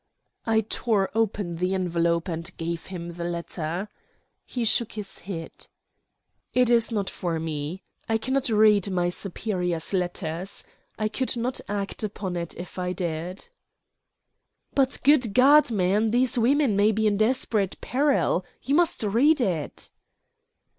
I tore open the envelope and gave him the letter. He shook his head. "It is not for me. I cannot read my superior's letters. I could not act upon it if I did." "But, good God, man, these women may be in desperate peril! You must read it!"